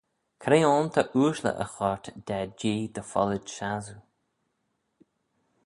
Cre ayn ta ooashley y choyrt da Jee dy follit shassoo?